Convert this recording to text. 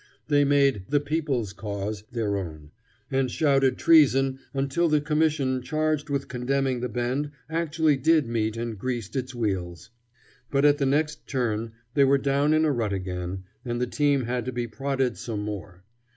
They made "the people's cause" their own, and shouted treason until the commission charged with condemning the Bend actually did meet and greased its wheels. But at the next turn they were down in a rut again, and the team had to be prodded some more.